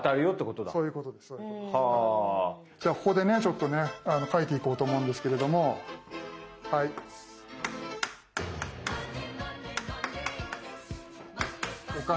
じゃあここでねちょっとね書いていこうと思うんですけれどもお金。